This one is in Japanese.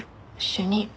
主任。